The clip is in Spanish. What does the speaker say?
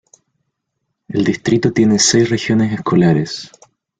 El distrito tiene seis regiones escolares.